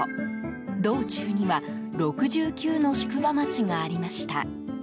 道中には６９の宿場町がありました。